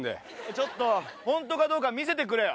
ちょっとホントかどうか見せてくれよ。